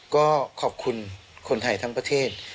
ก็ขอบคุณคนไทยทั้งประเทศ